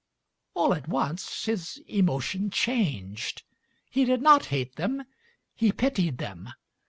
All at once his emotion changed: he did not hate them, he pitied them.